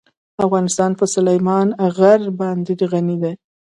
افغانستان په سلیمان غر باندې غني دی.